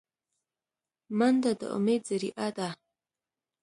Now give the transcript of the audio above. منډه د امید ذریعه ده